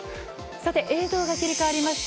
さて、映像が切り替わりました。